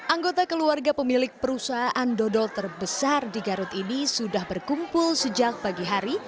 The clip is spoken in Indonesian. anggota keluarga pemilik perusahaan dodol terbesar di garut ini sudah berkumpul sejak pagi hari